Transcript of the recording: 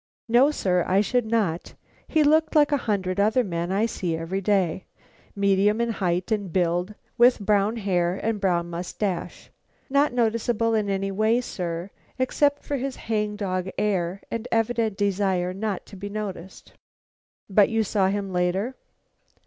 "No, sir, I should not. He looked like a hundred other men I see every day: medium in height and build, with brown hair and brown moustache. Not noticeable in any way, sir, except for his hang dog air and evident desire not to be noticed." "But you saw him later?"